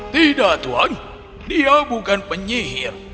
tidak tuan dia bukan penyihir